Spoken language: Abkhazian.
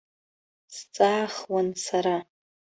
Сҵаахуан сара.